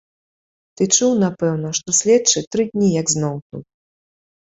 Ты чуў, напэўна, што следчы тры дні як зноў тут.